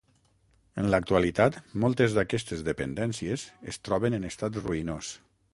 En l'actualitat moltes d'aquestes dependències es troben en estat ruïnós.